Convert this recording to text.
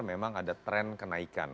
memang ada tren kenaikan